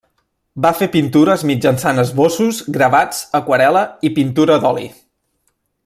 Va fer pintures mitjançant esbossos, gravats, aquarel·la, i pintura d'oli.